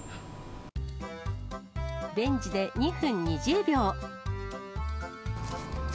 レンジで２分２０秒。